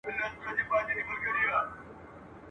سندره !.